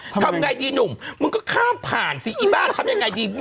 ทำไงดีหนุ่มมึงก็ข้ามผ่านสิอีบ้าทำยังไงดี